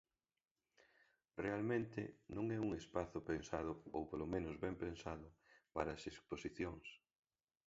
Realmente non é un espazo pensado, ou polo menos ben pensado, para as exposicións.